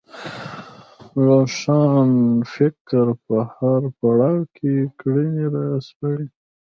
روښانفکر په هر پړاو کې کړنې راسپړي